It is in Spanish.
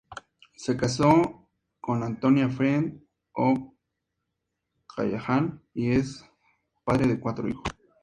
Se casó con Antonia Friend O'Callaghan y es padre de cuatro hijos.